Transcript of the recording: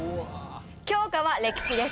教科は歴史です。